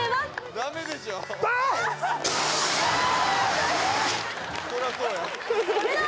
・ダメでしょバツ！